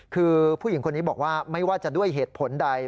คือผู้หญิงคนนี้บอกว่าไม่ว่าจะด้วยเหตุผลใด